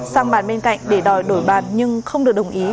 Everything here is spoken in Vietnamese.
sang bàn bên cạnh để đòi đổi bản nhưng không được đồng ý